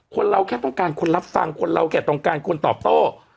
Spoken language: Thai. คนเราแค่ต้องการคนรับฟังคนเราแค่ต้องการคนตอบโต้